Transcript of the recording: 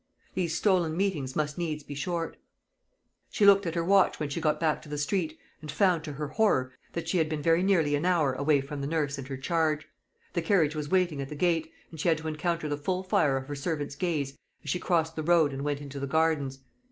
These stolen meetings must needs be short. She looked at her watch when she got back to the street, and found, to her horror, that she had been very nearly an hour away from the nurse and her charge. The carriage was waiting at the gate, and she had to encounter the full fire of her servants' gaze as she crossed the road and went into the gardens.